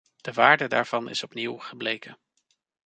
De waarde daarvan is opnieuw gebleken.